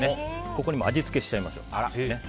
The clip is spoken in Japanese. ここにも味付けしちゃいましょう。